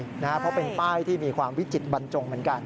เพราะเป็นป้ายที่มีความวิจิตบรรจงเหมือนกัน